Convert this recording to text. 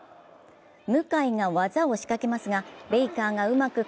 向が技を仕掛けますがベイカーがうまく